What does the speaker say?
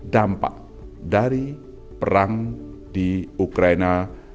dampak dari perang di ukraina